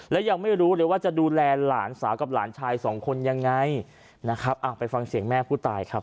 และยังไม่รู้เลยว่าจะดูแลหลานสาวกับหลานชายสองคนยังไงนะครับไปฟังเสียงแม่ผู้ตายครับ